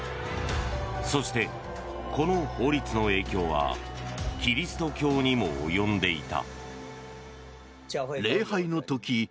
そして、この法律の影響はキリスト教にも及んでいた。